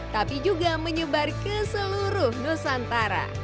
tapi juga menyebar ke seluruh nusantara